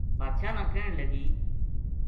بادشاہ نا کہن لگی